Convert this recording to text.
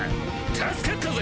助かったぜ。